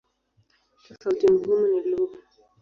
Tofauti muhimu ni lugha.